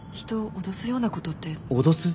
脅す？